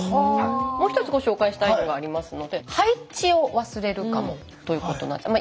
もう１つご紹介したいのがありますので「配置を忘れるかも」ということなんです。